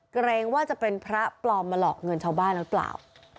เกรงว่าจะเป็นพระปลอมมาหลอกเงินชาวบ้านหรือเปล่า